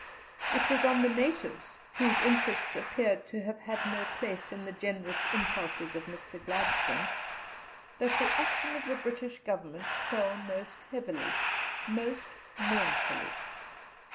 It was on the natives, whose interests appeared to have had no place in the generous impulses of Mr. Gladstone, that the action of the British Government fell most heavily, most mournfully.